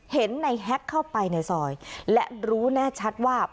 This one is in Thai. เห็นในแฮ็กเข้าไปในซอยและรู้แน่ชัดว่า